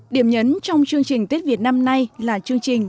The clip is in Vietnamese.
điểm nhấn trong chương trình tết việt năm nay là chương trình